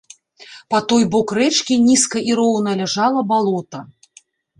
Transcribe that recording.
Па той бок рэчкі нізка і роўна ляжала балота.